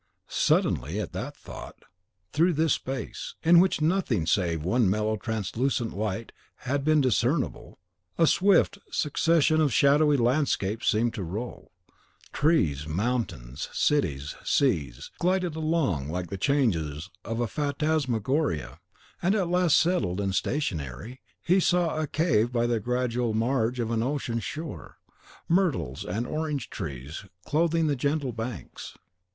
Suddenly at that thought, through this space, in which nothing save one mellow translucent light had been discernible, a swift succession of shadowy landscapes seemed to roll: trees, mountains, cities, seas, glided along like the changes of a phantasmagoria; and at last, settled and stationary, he saw a cave by the gradual marge of an ocean shore, myrtles and orange trees clothing the gentle banks.